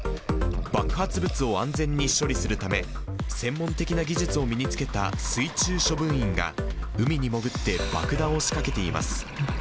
爆発物を安全に処理するため、専門的な技術を身につけた水中処分員が、海に潜って爆弾を仕掛けています。